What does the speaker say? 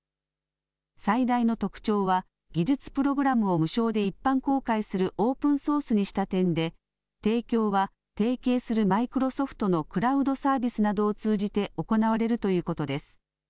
最大の特徴は技術プログラムを無償で一般公開するオープンソースにした点で提供は提携するマイクロソフトのクラウドサービスなどを通じて行われるということです。